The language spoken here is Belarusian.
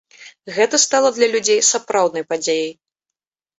Гэта стала для людзей сапраўднай падзеяй.